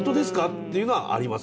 っていうのはあります